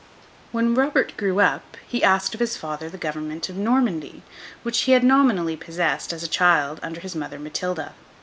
When Robert grew up, he asked of his father the government of Normandy, which he had nominally possessed, as a child, under his mother, Matilda.